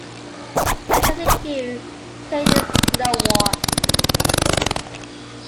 I took the cue, playin' this slow walk.